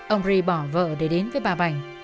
ông ri bỏ vợ để đến với bà bảnh